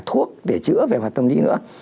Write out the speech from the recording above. thuốc để chữa về mặt tâm lý nữa